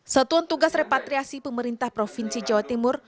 satuan tugas repatriasi pemerintah provinsi jawa timur